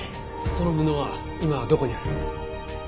その布は今どこにある？